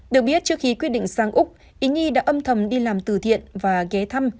được biết trước khi quyết định sang úc ý nhi đã âm thầm đi làm từ thiện và ghé thăm